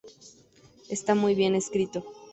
Está muy bien escrito.